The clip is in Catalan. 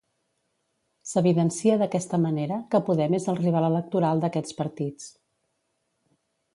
S'evidencia d'aquesta manera que Podem és el rival electoral d'aquests partits.